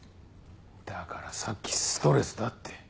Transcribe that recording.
だからさっきストレスだって。